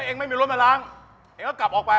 เองไม่มีรถมาล้างเองก็กลับออกไป